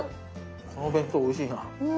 この弁当おいしいな。